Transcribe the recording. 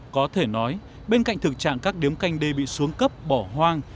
có thể nói bên cạnh thực trạng các điếm canh đê bị xuống cấp bỏ hoang